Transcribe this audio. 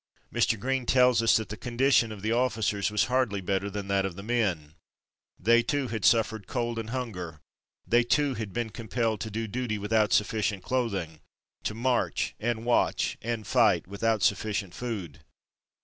Mr. Greene tells us that the condition of the officers was hardly better than that of the men. They, too, had suffered cold and hunger; they, too, had been compelled to do duty without sufficient clothing, to march and watch and fight without sufficient food.